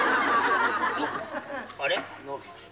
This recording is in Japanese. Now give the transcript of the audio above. あれ？